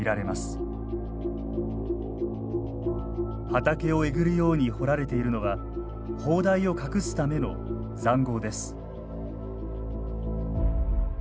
畑をえぐるように掘られているのは砲台を隠すための塹壕です。